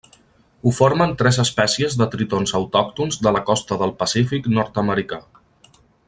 Ho formen tres espècies de tritons autòctons de la costa del Pacífic nord-americà.